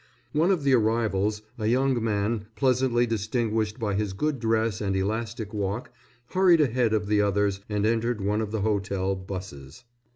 One of the arrivals, a young man pleasantly distinguished by his good dress and elastic walk, hurried ahead of the others and entered one of the hotel 'buses.